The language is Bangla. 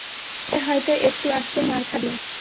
বললে হয়ত একটু আধটু মার খাবি।